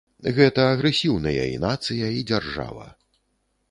Гэта агрэсіўныя і нацыя, і дзяржава.